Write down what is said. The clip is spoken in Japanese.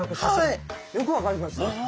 よく分かりますね。